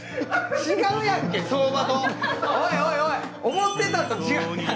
思ってたんと違うよ。